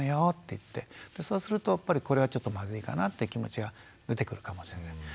そうするとやっぱりこれはちょっとまずいかなって気持ちが出てくるかもしれない。